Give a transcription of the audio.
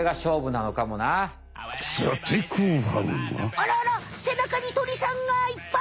あらあらせなかに鳥さんがいっぱい！